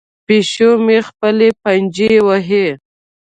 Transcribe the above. پیشو مې خپلې پنجې وهي.